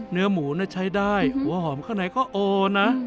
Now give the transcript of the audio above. เนื้อหมูใช้ได้หัวหอมข้างในก็โอนะ